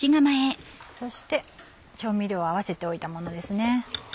そして調味料を合わせておいたものです。